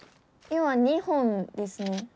今２本ですね。